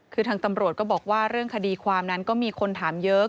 คือทางตำรวจก็บอกว่าเรื่องคดีความนั้นก็มีคนถามเยอะ